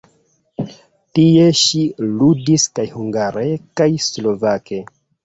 Tie ŝi ludis kaj hungare kaj slovake.